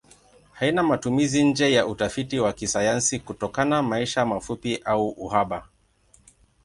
Haina matumizi nje ya utafiti wa kisayansi kutokana maisha mafupi na uhaba.